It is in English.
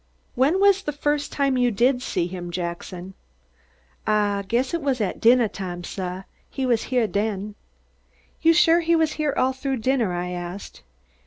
"When was the first time you did see him, Jackson?" "Ah guess it was at dinnah time, suh. He was heah den." "You're sure he was here all through dinner?" I asked.